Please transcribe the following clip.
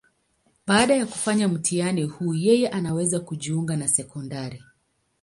Baada ya kufanya mtihani huu, yeye anaweza kujiunga na sekondari.